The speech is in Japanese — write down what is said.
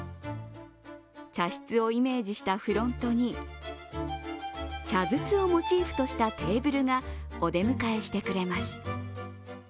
茶室をイメージしたフロントに茶筒をモチーフにしたテーブルがお出迎えしてくれます。